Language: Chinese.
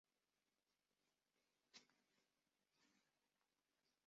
曾与坂田银时和桂小太郎于吉田松阳的私塾度过少年时代。